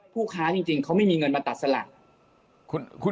ผู้ค้าจริงเขาไม่มีเงินมาตัดสลาก